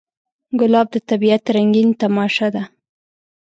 ګلاب د طبیعت رنګین تماشه ده.